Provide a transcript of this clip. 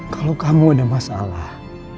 tapi kamu ada masalah